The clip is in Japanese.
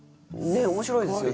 面白いですよね。